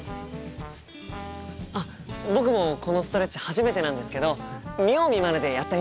あっ僕もこのストレッチ初めてなんですけど見よう見まねでやってみます。